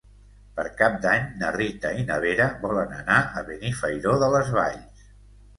Per Cap d'Any na Rita i na Vera volen anar a Benifairó de les Valls.